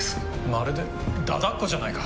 まるで駄々っ子じゃないか！